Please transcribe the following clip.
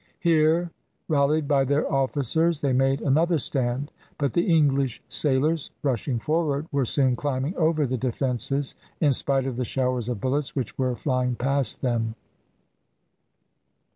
Here, rallied by their officers, they made another stand, but the English sailors, rushing forward, were soon climbing over the defences in spite of the showers of bullets which were flying past them.